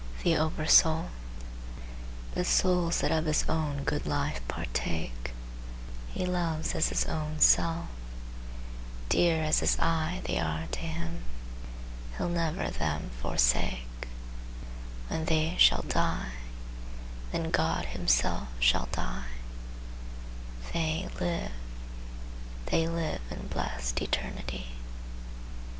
IX. THE OVER SOUL "But souls that of his own good life partake, He loves as his own self; dear as his eye They are to Him: He'll never them forsake: When they shall die, then God himself shall die: They live, they live in blest eternity."